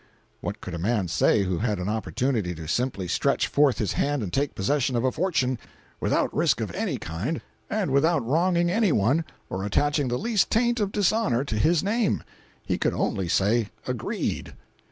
What could a man say who had an opportunity to simply stretch forth his hand and take possession of a fortune without risk of any kind and without wronging any one or attaching the least taint of dishonor to his name? He could only say, "Agreed."